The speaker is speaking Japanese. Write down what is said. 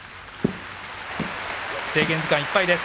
制限時間いっぱいです。